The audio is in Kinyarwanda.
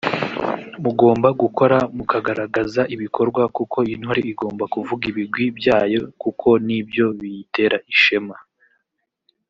mugomba gukora mukagaragaza ibikorwa kuko intore igomba kuvuga ibigwi byayo kuko ni byo biyitera ishema